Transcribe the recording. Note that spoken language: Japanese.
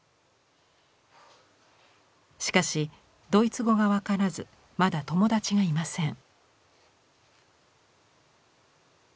しかしドイツ語が分からずまだ友達がいません。